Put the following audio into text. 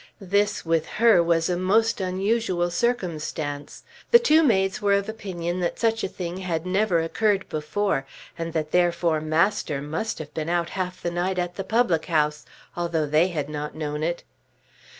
This with her was a most unusual circumstance. The two maids were of opinion that such a thing had never occurred before, and that therefore Masters must have been out half the night at the public house although they had not known it.